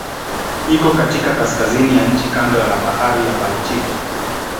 Iko katika kaskazini ya nchi kando la Bahari ya Baltiki.